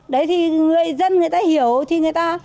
đấy thì người dân người ta hiểu thì người ta